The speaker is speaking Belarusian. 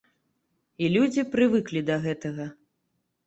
І людзі прывыклі да гэтага.